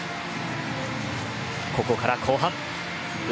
ここから後半。